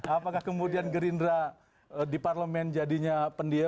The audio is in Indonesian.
apakah kemudian gerindra di parlemen jadinya pendiam